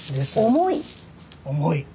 重い！